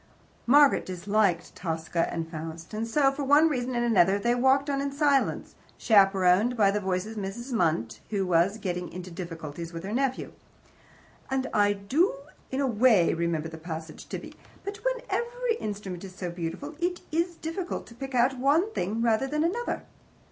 Margaret disliked TOSCA and FAUST. And so, for one reason and another, they walked on in silence, chaperoned by the voice of Mrs. Munt, who was getting into difficulties with her nephew. "I do in a WAY remember the passage, Tibby, but when every instrument is so beautiful, it is difficult to pick out one thing rather than another.